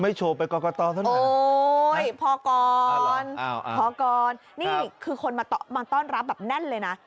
ไม่โชว์ไปก่อนก่อนตอนเท่านั้นโอ้ยพอกรพอกรนี่คือคนมาต้อนรับแบบแน่นเลยนะ